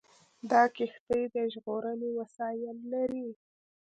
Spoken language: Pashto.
دا کښتۍ د ژغورنې وسایل لري.